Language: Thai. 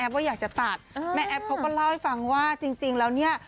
แอ๊บว่าอยากจะตัดแม่แอ๊บเค้าบอกแล้วให้ฟังว่าจริงแล้วเนี้ย